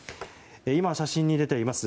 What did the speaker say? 今、写真に出ています